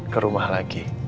ke rumah lagi